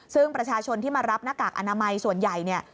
ซึ่งประชาชนที่มารับหน้ากากอนามัยส่วนใหญ่เนี่ย